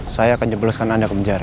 saya akan jebloskan anda ke penjara